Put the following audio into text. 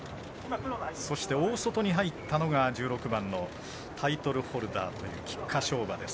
大外に入ったのが１６番のタイトルホルダー、菊花賞馬です。